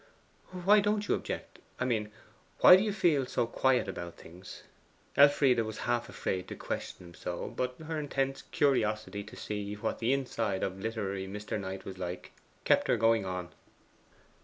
'Why don't you object I mean, why do you feel so quiet about things?' Elfride was half afraid to question him so, but her intense curiosity to see what the inside of literary Mr. Knight was like, kept her going on.